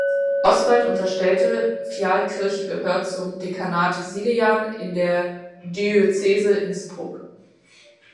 Oswald unterstellte Filialkirche gehört zum Dekanat Sillian in der Diözese Innsbruck.